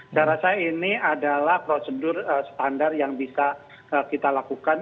saya rasa ini adalah prosedur standar yang bisa kita lakukan